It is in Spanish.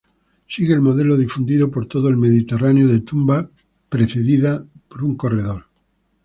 Sigue el modelo difundido por todo el Mediterráneo de tumba precedida por un corredor.